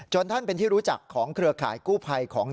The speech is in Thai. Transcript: ท่านเป็นที่รู้จักของเครือข่ายกู้ภัยของ